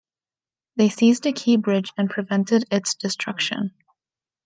They seized a key bridge and prevented its destruction.